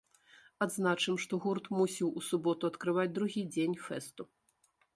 Адзначым, што гурт мусіў у суботу адкрываць другі дзень фэсту.